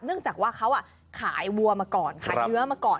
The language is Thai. เนื่องจากว่าเขาขายวัวมาก่อนขายเนื้อมาก่อน